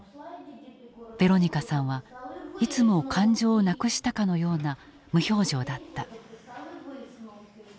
ヴェロニカさんはいつも感情をなくしたかのような無表情だった。